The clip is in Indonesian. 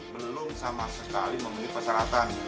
belum sama sekali memenuhi persyaratan